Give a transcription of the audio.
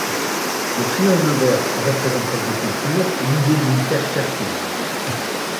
Le triangle vert représente l'agriculture, l'idée d'une terre fertile.